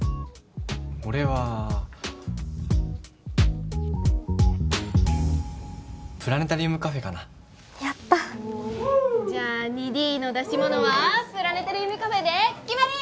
俺はプラネタリウムカフェかなやったじゃあ２Ｄの出し物はプラネタリウムカフェで決まり！